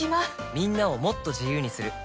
みんなをもっと自由にする「三菱冷蔵庫」